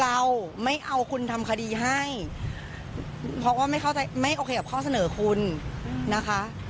เราไม่เอาคุณทำคดีให้เพราะว่าไม่เข้าใจไม่โอเคกับข้อเสนอคุณนะคะ